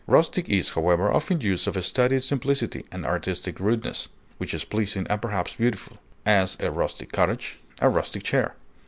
Rustic is, however, often used of a studied simplicity, an artistic rudeness, which is pleasing and perhaps beautiful; as, a rustic cottage; a rustic chair.